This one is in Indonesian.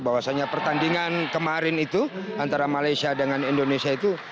bahwasannya pertandingan kemarin itu antara malaysia dengan indonesia itu